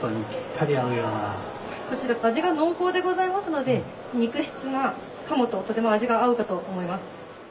こちら味が濃厚でございますので肉質な鴨ととても味が合うかと思います。